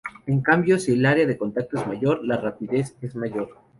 En cambio, si el área de contacto es mayor, la rapidez es mayor.